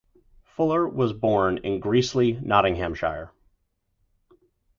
Fuller was born in Greasley, Nottinghamshire.